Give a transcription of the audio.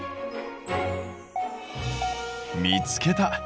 見つけた。